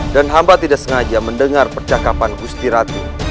dan hamba tidak sengaja mendengar percakapan gusti ratu